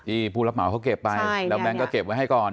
ผู้รับเหมาเขาเก็บไปแล้วแก๊งก็เก็บไว้ให้ก่อน